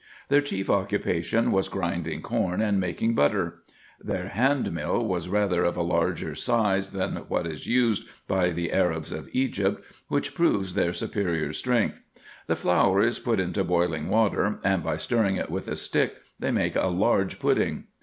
Their chief occupation was arindinff corn and making butter. Their hand mill was rather of a larger size than what is used by the Arabs of Egypt, which proves their superior strength. The flour is put into boiling water, and by stirring it with a stick they make a large pudding.